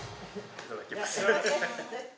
いただきます。